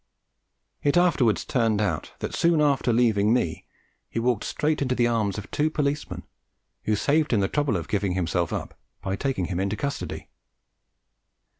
It afterwards turned out that soon after leaving me he walked straight into the arms of two policemen, who saved him the trouble of giving himself up by taking him into custody.